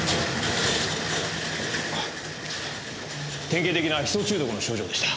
典型的なヒ素中毒の症状でした。